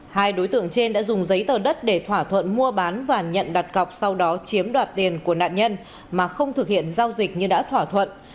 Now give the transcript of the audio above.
hai đối tượng trên đã dùng giấy tờ đất để thỏa thuận mua bán và nhận đặt cọc sau đó chiếm đoạt tiền của nạn nhân mà không thực hiện giao dịch như đã thỏa thuận